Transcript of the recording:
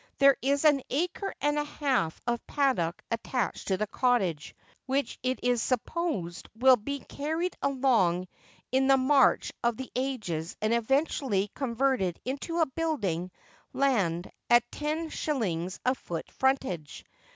There is an acre and a half of paddock attached to the cottage, which it is supposed will be carried along in the march of the ages and eventually con verted into building land at ten shillings a foot frontage.